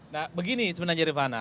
nah begini sebenarnya rifana